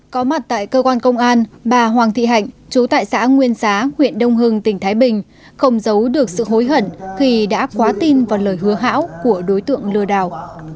có mặt tại cơ quan công an bà hoàng thị hạnh chú tại xã nguyên xá huyện đông hưng tỉnh thái bình không giấu được sự hối hận khi đã quá tin vào lời hứa hão của đối tượng lừa đảo